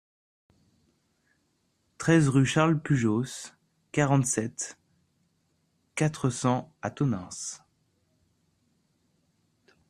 treize rue Charles Pujos, quarante-sept, quatre cents à Tonneins